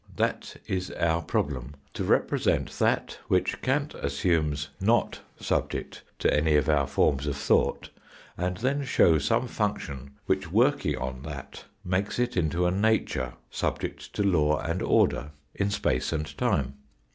That is our problem, to represent that which Kant assumes not subject to any of our forms of thought, and then show some function which working on that makes it into a " nature " subject to law and order, in space and time.